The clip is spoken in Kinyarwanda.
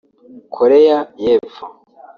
Koreya y’epfo